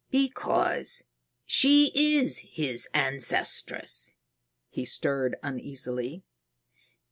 "Because she is his ancestress." He stirred uneasily.